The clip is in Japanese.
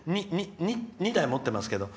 ２台、持ってますけど。